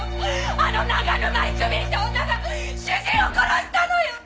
あの長沼郁美って女が主人を殺したのよ！